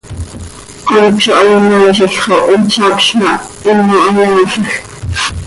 Honc zo hayonaaizil xo hin tzacöz ma, himo hayaalajc.